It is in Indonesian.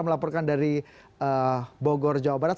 melaporkan dari bogor jawa barat